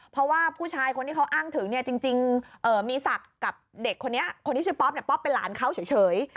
เพราะว่าผู้ชายคนที่เขาอ้างถึงเนี่ยจริงมีศักดิ์กับเด็กคนนี้คนที่ชื่อป๊อปป๊อปเป็นหลานเขาเฉย